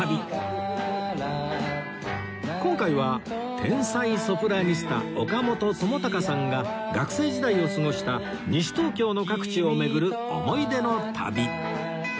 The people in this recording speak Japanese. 今回は天才ソプラニスタ岡本知高さんが学生時代を過ごした西東京の各地を巡る思い出の旅